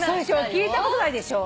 聞いたことないでしょ？